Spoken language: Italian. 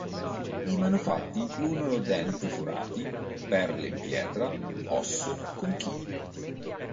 I manufatti includono denti forati, perle in pietra, osso, conchiglie.